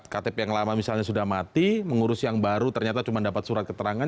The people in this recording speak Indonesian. ktp yang lama misalnya sudah mati mengurus yang baru ternyata cuma dapat surat keterangan